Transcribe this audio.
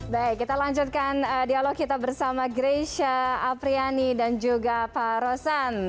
baik kita lanjutkan dialog kita bersama greysia apriani dan juga pak rosan